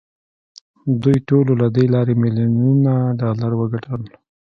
دوی ټولو له دې لارې میلیونونه ډالر وګټل